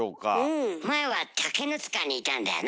前は竹の塚にいたんだよな。